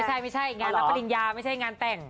ใช่ไม่ใช่งานรับปริญญาไม่ใช่งานแต่ง